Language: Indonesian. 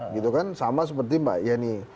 gitu kan sama seperti mbak yeni